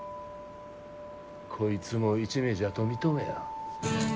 こいつも一味じゃと認めや。